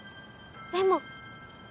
でも。